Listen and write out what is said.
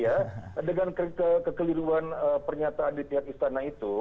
ya dengan kekeliruan pernyataan di pihak istana itu